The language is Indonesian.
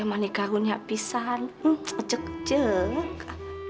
anikahun ya pisan cek cek